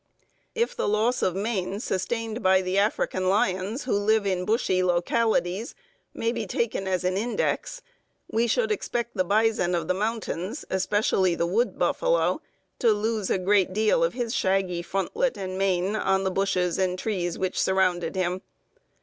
If the loss of mane sustained by the African lions who live in bushy localities may be taken as an index, we should expect the bison of the mountains, especially the "wood buffalo," to lose a great deal of his shaggy frontlet and mane on the bushes and trees which surrounded him.